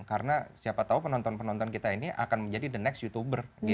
karena siapa tahu penonton penonton kita ini akan menjadi the next youtuber gitu